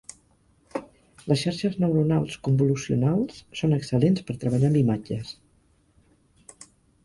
Les xarxes neuronals convolucionals són excel·lents per treballar amb imatges.